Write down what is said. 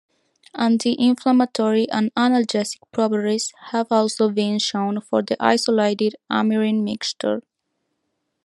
Anti-inflammatory and analgesic properties have also been shown for the isolated amyrin mixture.